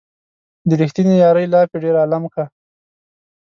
د ريښتينې يارۍ لاپې ډېر عالم کا